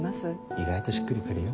意外としっくり来るよ。